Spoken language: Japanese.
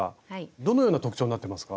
どのような特徴になってますか？